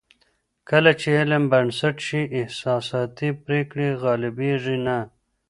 کله چې علم بنسټ شي، احساساتي پرېکړې غالبېږي نه.